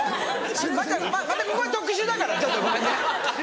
またここ特殊だからちょっとごめんね。